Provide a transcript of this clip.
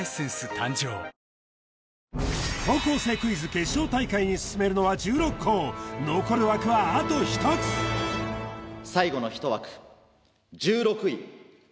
誕生『高校生クイズ』決勝大会に進めるのは１６校残る枠はあと１つ１６位。